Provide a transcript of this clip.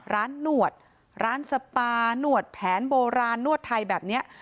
หนวดร้านสปาหนวดแผนโบราณนวดไทยแบบนี้